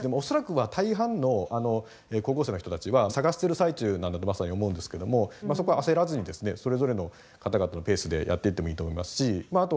恐らくは大半の高校生の人たちは探してる最中なんだとまさに思うんですけどもそこは焦らずにですねそれぞれの方々のペースでやっていってもいいと思いますしま